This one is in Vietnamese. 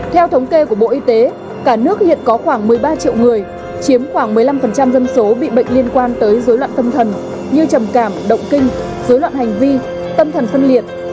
theo thống kê của bộ y tế cả nước hiện có khoảng một mươi ba triệu người chiếm khoảng một mươi năm dân số bị bệnh liên quan tới dối loạn tâm thần như trầm cảm động kinh dối loạn hành vi tâm thần phân liệt